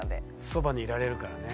そばにいられるからね。